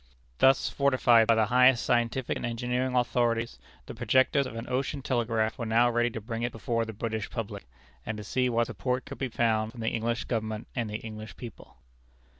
Thus fortified by the highest scientific and engineering authorities, the projectors of an ocean telegraph were now ready to bring it before the British public, and to see what support could be found from the English Government and the English people.